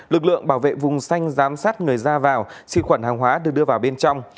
lực lượng bảo vệ vùng xanh giám sát người ra vào xị khuẩn hàng hóa được đưa vào bên trong